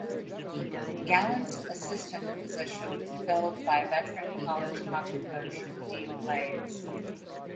Gallant's assistant position was filled by veteran college hockey coach Dean Blais.